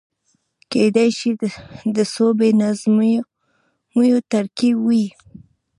کېدای شي د څو بې نظمیو ترکيب وي.